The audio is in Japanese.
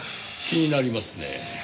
気になりますねぇ。